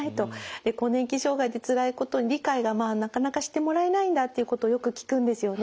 更年期障害でつらいこと理解がなかなかしてもらえないんだっていうことをよく聞くんですよね。